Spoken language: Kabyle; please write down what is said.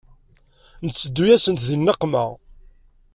Nteddu-yasent di nneqma.